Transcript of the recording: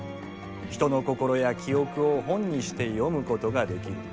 人の心や記憶を本にして読むことができる。